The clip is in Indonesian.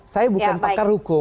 saya bukan pakar hukum